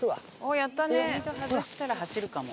リード外したら走るかも。